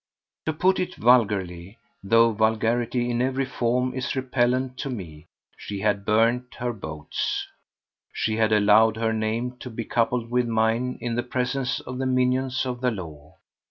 To put it vulgarly—though vulgarity in every form is repellent to me—she had burnt her boats. She had allowed her name to be coupled with mine in the presence of the minions of the law.